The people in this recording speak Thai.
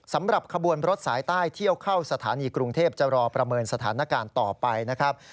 สำหรับขบวนรถสายใต้เที่ยวเข้าสถานีกรุงเทพจะรอประเมินสถานการณ์ต่อไปนะครับ